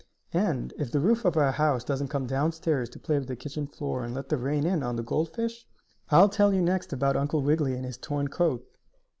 And, if the roof of our house doesn't come down stairs to play with the kitchen floor and let the rain in on the gold fish, I'll tell you next about Uncle Wiggily and his torn coat.